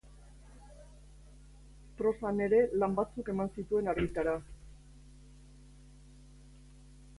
Prosan ere lan batzuk eman zituen argitara.